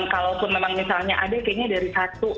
kalaupun memang misalnya ada kayaknya dari satu